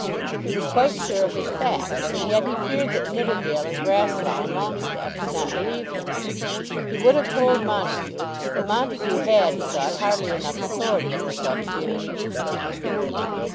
He was quite sure of his facts, and yet he feared that Nidderdale and Grasslough and Longestaffe would not believe him. He would have told Montague, but Montague had, he thought, hardly enough authority at the club to be of any use to him.